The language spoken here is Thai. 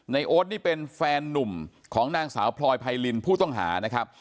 โอ๊ตนี่เป็นแฟนนุ่มของนางสาวพลอยไพรินผู้ต้องหานะครับ